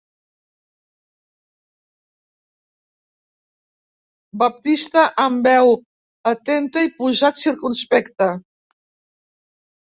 Baptista amb veu atenta i posat circumspecte.